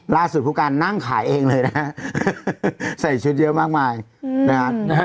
ผู้การนั่งขายเองเลยนะฮะใส่ชุดเยอะมากมายนะฮะ